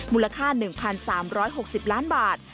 มูลค่า๑๓๖๐ล้านบาท